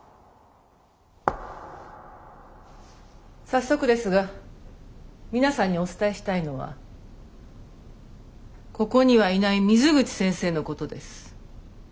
早速ですが皆さんにお伝えしたいのはここにはいない水口先生のことです。